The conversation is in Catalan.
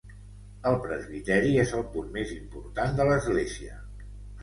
El presbiteri és el punt més important de l'església.